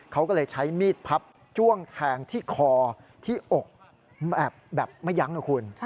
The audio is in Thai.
เขาก็เลยใช้มีดพับจ้วงแทงที่คอที่อกแบบไม่ยั้งนะคุณ